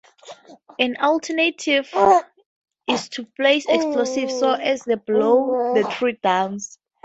An alternative is to place explosives so as to blow the trees down.